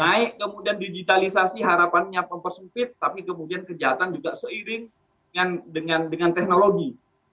naik kemudian digitalisasi harapannya mempersempit tapi kemudian kejahatan juga seiring dengan teknologi